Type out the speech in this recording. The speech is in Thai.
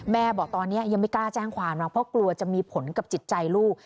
บอกตอนนี้ยังไม่กล้าแจ้งความหรอกเพราะกลัวจะมีผลกับจิตใจลูก